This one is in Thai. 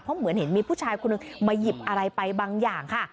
เพราะเหมือนเห็นมีผู้ชายคนหนึ่งมาหยิบอะไรไปบางอย่างค่ะ